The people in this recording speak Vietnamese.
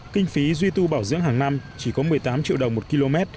kinh phí duy tu bảo dưỡng hàng năm chỉ có một mươi tám triệu đồng một km